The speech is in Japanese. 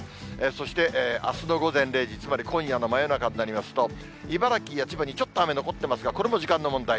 そしてあすの午前０時、つまり今夜の真夜中になりますと、茨城や千葉にちょっと雨残ってますが、これも時間の問題。